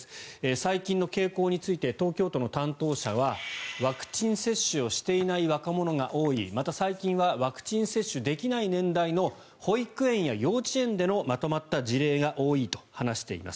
最近の傾向について東京の担当者はワクチン接種をしていない若者が多いまた、最近はワクチン接種できない年代の保育園や幼稚園でのまとまった事例が多いと話しています。